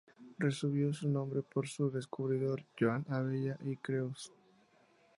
Recibió su nombre por su descubridor, Joan Abella i Creus.